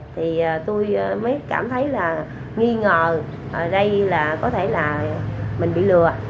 thì tôi mới cảm thấy là nghi ngờ ở đây là có thể là mình bị lừa